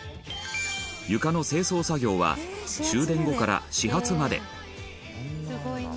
床の清掃作業は終電後から始発まで本仮屋：すごいな！